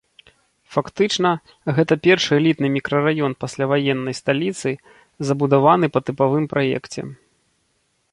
Фактычна, гэта першы элітны мікрараён пасляваеннай сталіцы, забудаваны па тыпавым праекце.